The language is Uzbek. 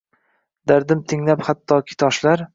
Dardim tinglab hattoki toshlar